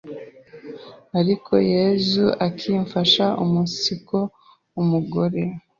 ariko Yesu ikamfasha umunsiko umugore